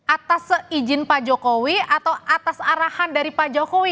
atas seizin pak jokowi atau atas arahan dari pak jokowi